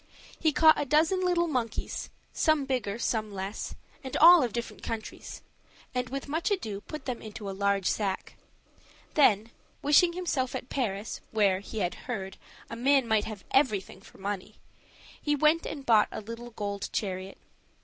He caught a dozen of little monkeys, some bigger, some less, and all of different colors, and with much ado put them into a large sack; then, wishing himself at Paris, where, he had heard, a man might have everything for money, he went and bought a little gold chariot.